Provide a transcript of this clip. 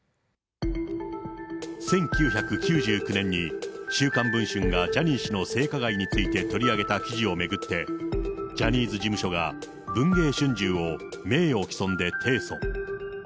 １９９９年に週刊文春がジャニー氏の性加害について取り上げた記事を巡って、ジャニーズ事務所が文藝春秋を名誉毀損で提訴。